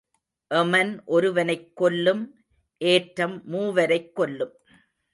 எமன் ஒருவனைக் கொல்லும் ஏற்றம் மூவரைக் கொல்லும்.